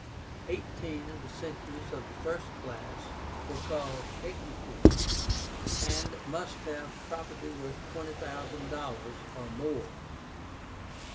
Eighteen of the centuries of the first class were called EQUITES, and must have property worth twenty thousand dollars or more.